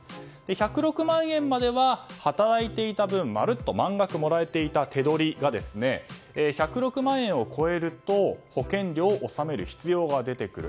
１０６万円までは働いた分、まるっと満額もらえていた手取りが１０６万円を超えると保険料を納める必要が出てくる。